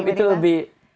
iya itu lebih